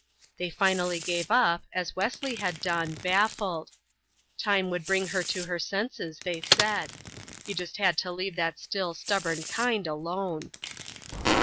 They finally gave up, as Wesley had done, baffled. Time would bring her to her senses, they said; you just had to leave that still, stubborn kind alone.